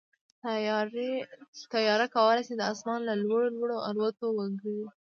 طیاره کولی شي د اسمان له لوړو لوړ الوت وکړي.